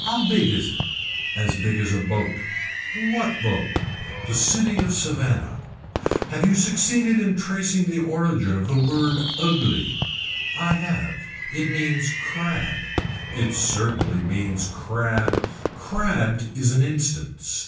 How big is it. As big as a boat. What boat. The city of Savannah. Have you succeeded in tracing the origin of the word ugly. I have. It means crab. It certainly means crab. Crabbed is an instance.